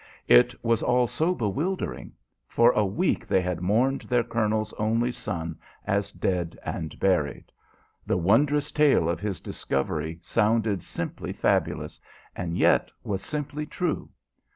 It was all so bewildering. For a week they had mourned their colonel's only son as dead and buried. The wondrous tale of his discovery sounded simply fabulous, and yet was simply true.